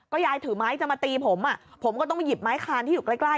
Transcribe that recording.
ยายถือไม้จะมาตีผมผมก็ต้องไปหยิบไม้คานที่อยู่ใกล้